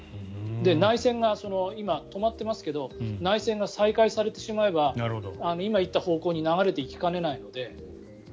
内戦が今、止まっていますけど内戦が再開されてしまえば今、言った方向に流れていきかねないので。